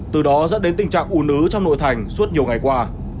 từ đó dẫn đến tình trạng ủn ứ trong nội thành suốt nhiều ngày qua